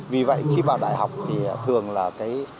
vì vậy khi vào đại học thì thường là cái